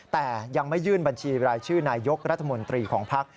แต่ยังไม่ยื่นบัญชีรายชื่อนายกรัฐมนตรีของภักดิ์